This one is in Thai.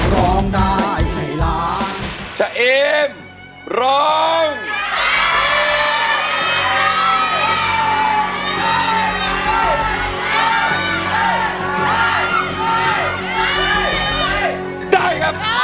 ร้องก็ได้ให้ร้าง